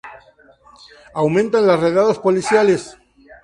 Aumentan las redadas policiales.